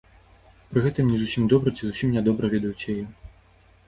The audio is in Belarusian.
Пры гэтым не зусім добра ці зусім нядобра ведаюць яе.